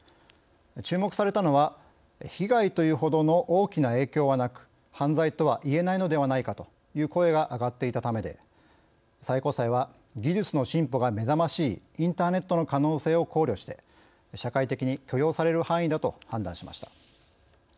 注目されたのは被害というほどの大きな影響はなく犯罪とはいえないのではないかという声が上がっていたためで最高裁は技術の進歩が目覚ましいインターネットの可能性を考慮して社会的に許容される範囲だと判断しました。